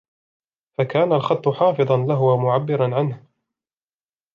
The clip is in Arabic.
فَكَانَ الْخَطُّ حَافِظًا لَهُ وَمُعَبِّرًا عَنْهُ